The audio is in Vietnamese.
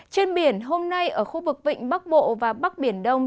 trên biển hôm nay ở khu vực vịnh bắc bộ và bắc biển đông